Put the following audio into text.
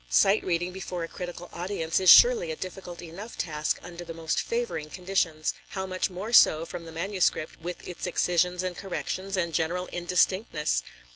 Sight reading before a critical audience is surely a difficult enough task under the most favoring conditions; how much more so from the manuscript, with its excisions and corrections and general indistinctness!